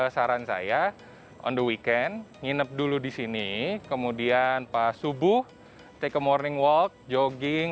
saran saya on the weekend nginep dulu di sini kemudian pas subuh take a morning walk jogging